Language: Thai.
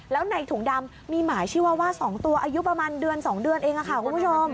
แล้วในถุงดำมีหมาชื่อว่าว่า๒ตัวอายุประมาณเดือน๒เดือนเองค่ะคุณผู้ชม